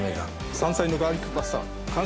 山菜のガーリックパスタ完成です！